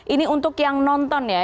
ini untuk yang nonton ya